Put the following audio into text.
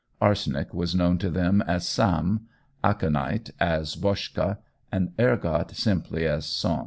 Arsenic was known to them as "sam," aconite as "boschka," and ergot probably as "son."